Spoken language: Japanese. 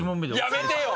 やめてよ！